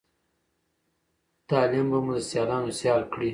تعليم به مو د سیالانو سيال کړی